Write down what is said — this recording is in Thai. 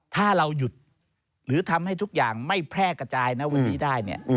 ถ้าเราหยุดหรือทำให้ทุกอย่างไม่แพร่กระจายนะวันนี้ได้เนี่ย